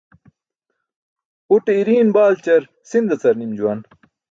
Ute iriin baalćar sinda car nim juwan.